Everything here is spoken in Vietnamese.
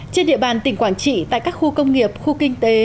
trên địa bàn tỉnh quảng trị tại các khu công nghiệp khu kinh tế